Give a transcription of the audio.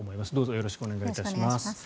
よろしくお願いします。